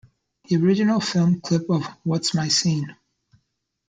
The original film clip of What's My Scene?